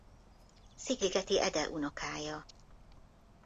Szigligeti Ede unokája.